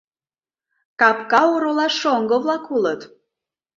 Капка оролаш шоҥго-влак улыт.